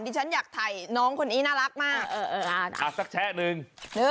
ที่ฉันอยากถ่ายน้องคนนี้น่ารักมากเอออ่าสักแชะนึง